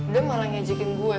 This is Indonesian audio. dia malah ngajakin gue